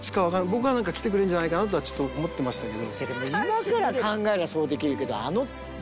僕はなんか来てくれるんじゃないかなとはちょっと思ってましたけど。